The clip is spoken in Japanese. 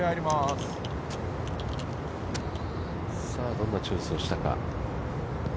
どんなチョイスをしたか。